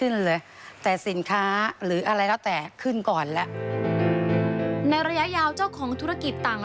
ในระยะยาวเจ้าของธุรกิจต่าง